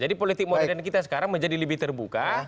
jadi politik modern kita sekarang menjadi lebih terbuka